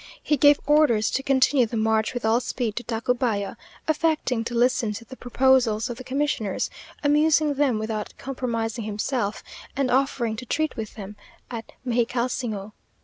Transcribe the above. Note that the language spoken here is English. He gave orders to continue the march with all speed to Tacubaya, affecting to listen to the proposals of the commissioners, amusing them without compromising himself, and offering to treat with them at Mexicalsingo.